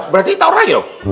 berarti taruh lagi dong